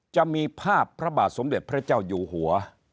จะมีภาพพระบาทสมเด็จพระเจ้าอยู่หัว